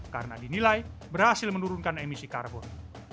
karena dinilai berhasil menurunkan emisi karbon